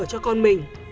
cho con mình